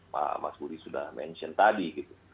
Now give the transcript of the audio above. pak mas gudi sudah mention tadi